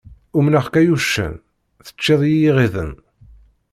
Umneɣ-k ay uccen, teččiḍ-iyi iɣiden.